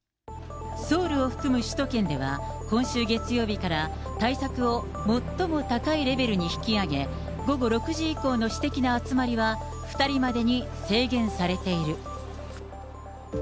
ソウルを含む首都圏では、今週月曜日から、対策を最も高いレベルに引き上げ、午後６時以降の私的な集まりは、２人までに制限されている。